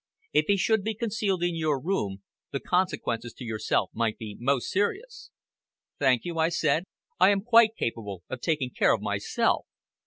If he should be concealed in your room the consequences to yourself might be most serious." "Thank you," I said, "I am quite capable of taking care of myself."